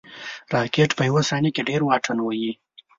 راکټ په یو ثانیه کې ډېر واټن وهي